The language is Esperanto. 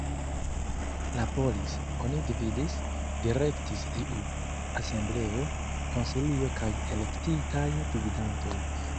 La "polis"on gvidis, direktis iu asembleo, konsilio kaj elektitaj gvidantoj.